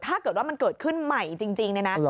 ถ้าเกิดว่ามันเกิดขึ้นใหม่จริงเนี่ยนะ